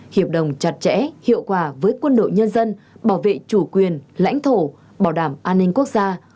hiệp đồng chặt chẽ hiệu quả với quân đội nhân dân bảo vệ chủ quyền lãnh thổ bảo đảm an ninh quốc gia